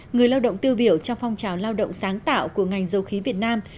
người lao động tiêu biểu trong phong trào lao động sáng tạo của ngành dầu khí việt nam